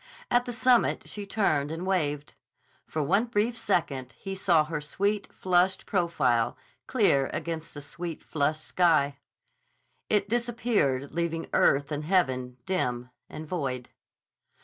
At the summit she turned and waved. For one brief second he saw her sweet, flushed profile clear against the sweet, flushed sky. It disappeared leaving earth and heaven dim and void.